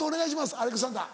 アレクサンダー。